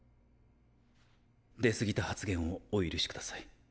出過ぎた発言をお許しください。